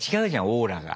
オーラが。